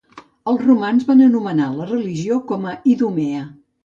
Els romans van anomenar la regió com a Idumea.